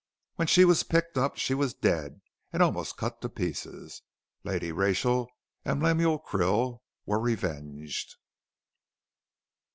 When she was picked up she was dead and almost cut to pieces. Lady Rachel and Lemuel Krill were revenged.